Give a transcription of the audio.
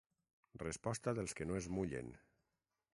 Resposta dels que no es mullen.